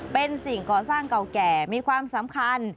เป็นสิ่งก่อสร้างเก่าแก่มีความสำคัญ